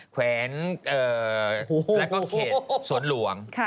แขวนแล้วก็เขตสวนหลวง